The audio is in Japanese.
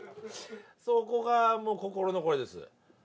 そこがもう心残りです。